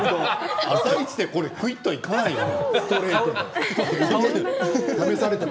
「あさイチ」でぐいっとはいかないよね。